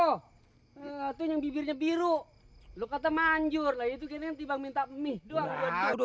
hatinya bibirnya biru lu kata manjur itu gini dibang minta pemih doang udah